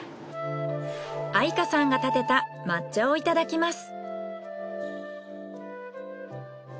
愛華さんがたてた抹茶をいただきます。